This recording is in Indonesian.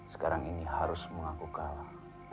sekarang ini harus mengaku kalah